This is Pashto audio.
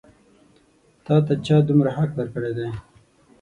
تا ته چا دومره حق درکړی دی؟